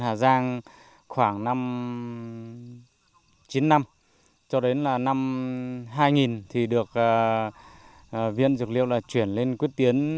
hà giang khoảng năm chín năm cho đến là năm hai nghìn thì được viện dược liệu là chuyển lên quyết tiến